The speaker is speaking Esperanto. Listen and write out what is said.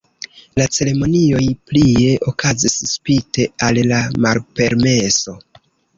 La ceremonioj plie okazis spite al la malpermeso.